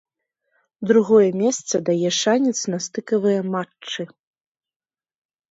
Другое месца дае шанец на стыкавыя матчы.